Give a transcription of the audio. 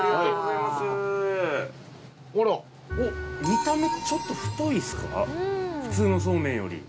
見た目ちょっと太いですか普通のそうめんより。